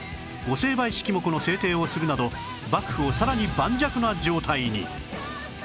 成敗式目の制定をするなど幕府をさらに盤石な状態に